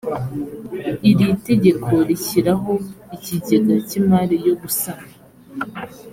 iri tegeko rishyiraho ikigega cy imari yo gusana